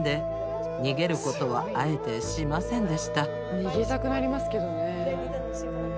逃げたくなりますけどね。